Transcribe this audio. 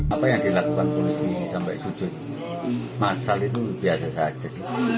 apa yang dilakukan polisi sampai sujud massal itu biasa saja sih